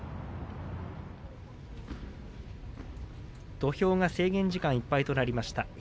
土俵、制限時間いっぱいとなりました。